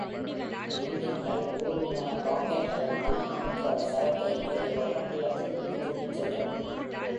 எஞ்சின்கள் உறுமின, ராக்கெட் அதன் மதிப்புமிக்க சரக்கை மேலே வளிமண்டலத்துக்குள் தூக்கிச்சென்றது.